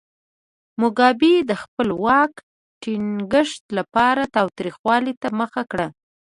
موګابي د خپل واک ټینګښت لپاره تاوتریخوالي ته مخه کړه.